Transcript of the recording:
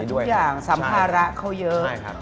เพราะฉะนั้นถ้าใครอยากทานเปรี้ยวเหมือนโป้แตก